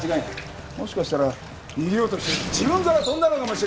もしかしたら逃げようとして自分から飛んだのかもしれんな。